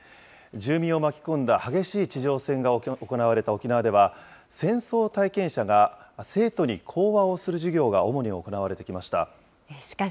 住民を巻き込んだ激しい地上戦が行われた沖縄では、戦争体験者が生徒に講和をする授業が主に行われてきました。